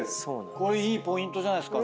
これいいポイントじゃないっすか。